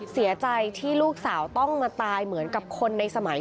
เสียใจที่ลูกสาวต้องมาตายเหมือนกับคนในสมัย